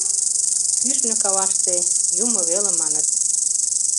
— Кӱшнӧ, каваште, юмо веле, маныт.